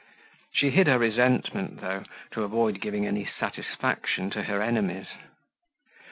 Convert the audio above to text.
She hid her resentment though to avoid giving any satisfaction to her enemies.